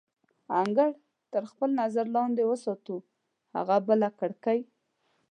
انګړ تر خپل نظر لاندې وساتو، هغه بله کړکۍ.